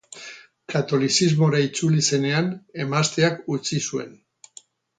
Katolizismora itzuli zenean, emazteak utzi zuen.